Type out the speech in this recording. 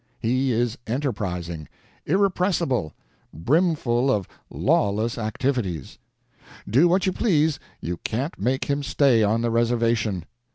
He is enterprising, irrepressible, brimful of lawless activities. Do what you please, you can't make him stay on the reservation.